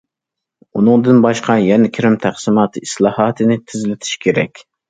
ئۇنىڭدىن باشقا، يەنە كىرىم تەقسىماتى ئىسلاھاتىنى تېزلىتىش كېرەك.